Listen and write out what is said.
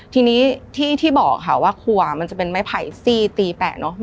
ทีนี้ที่บอกค่ะว่าครัวมันจะเป็นไม้ไผ่ซี่ตีแปะเนอะ